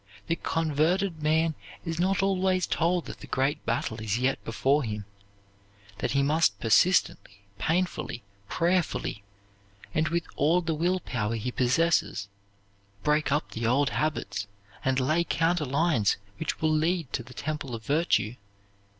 The converted man is not always told that the great battle is yet before him; that he must persistently, painfully, prayerfully, and with all the will power he possesses, break up the old habits, and lay counter lines which will lead to the temple of virtue.